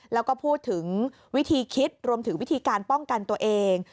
แล้วก็พูดถึงวิธีคิดรวมถึงวิธีการป้องกันตัวเอง